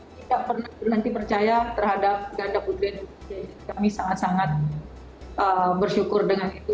tidak pernah berhenti percaya terhadap ganda putri indonesia kami sangat sangat bersyukur dengan itu